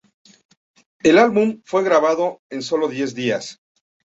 El álbum fue grabado en solo diez días.